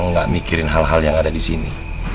enggak mikirin hal hal yang ada disini